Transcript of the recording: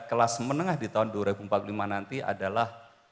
kelas menengah di tahun dua ribu empat puluh lima nanti adalah